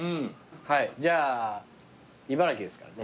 はいじゃあ茨城ですからね。